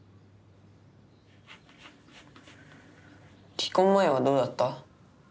離婚前はどうだった？